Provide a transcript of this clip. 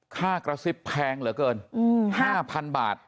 กระซิบแพงเหลือเกิน๕๐๐๐บาท